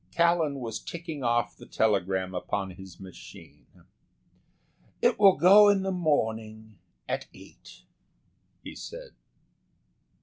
Callan was ticking off the telegram upon his machine. "It will go in the morning at eight," he said.